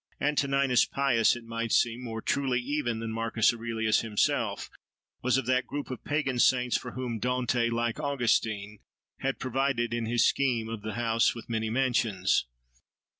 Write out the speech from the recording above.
Antoninus Pius, it might seem, more truly even than Marcus Aurelius himself, was of that group of pagan saints for whom Dante, like Augustine, has provided in his scheme of the house with many mansions.